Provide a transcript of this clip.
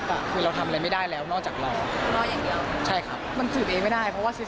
แต่พีชพัชรายืนยันแน่นอนว่าเอาเรื่องจะเงียบไป